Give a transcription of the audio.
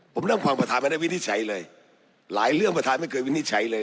ผมนั่งฟังประธานไม่ได้วินิจฉัยเลยหลายเรื่องประธานไม่เคยวินิจฉัยเลย